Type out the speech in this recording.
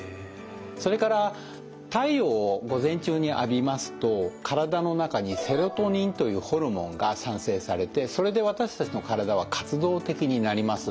それから太陽を午前中に浴びますと体の中にセロトニンというホルモンが産生されてそれで私たちの体は活動的になります。